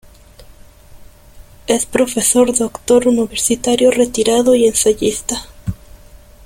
Es profesor doctor universitario retirado y ensayista.